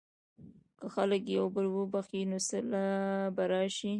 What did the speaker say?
که خلک یو بل وبخښي، نو سوله به راشي.